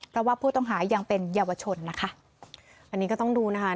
เพราะว่าผู้ต้องหายังเป็นเยาวชนนะคะอันนี้ก็ต้องดูนะคะ